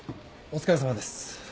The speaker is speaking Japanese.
お疲れさまです。